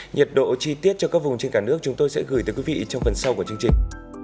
nhiệt độ chi tiết cho các vùng trên cả nước chúng tôi sẽ gửi tới quý vị trong phần sau của chương trình